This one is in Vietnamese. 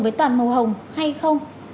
với toàn màu hồng hay không